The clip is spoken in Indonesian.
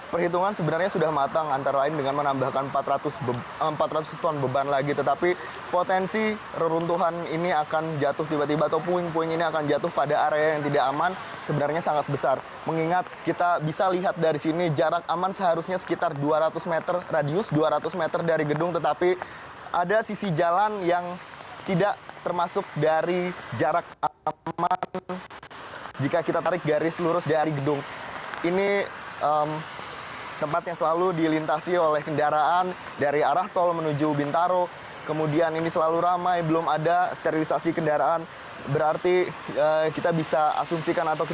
perhitungan sebenarnya sudah matang antara lain dengan menambahkan empat ratus ton beban lagi tetapi potensi reruntuhan ini akan jatuh tiba tiba atau puing puing ini akan jatuh pada area yang tidak aman